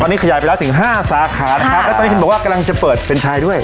ตอนนี้ขยายไปแล้วถึงห้าสาขานะครับแล้วตอนนี้เห็นบอกว่ากำลังจะเปิดเป็นชายด้วย